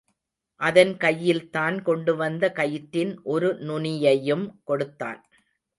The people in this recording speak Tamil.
அதன் கையில் தான் கொண்டுவந்த கயிற்றின் ஒரு நுனியையும் கொடுத்தான்.